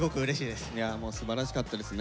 すばらしかったですね。